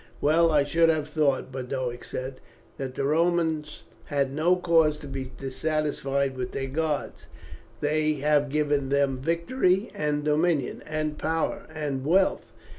"Well, I should have thought," Boduoc said, "that the Romans had no cause to be dissatisfied with their gods. They have given them victory, and dominion, and power, and wealth.